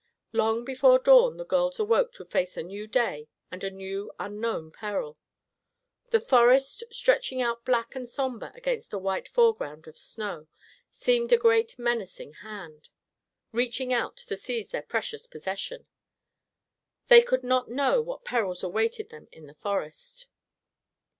Long before dawn the girls awoke to face a new day and a new, unknown peril. The forest, stretching out black and somber against the white foreground of snow, seemed a great menacing hand, reaching out to seize their precious possession. They could not know what perils awaited them in the forest.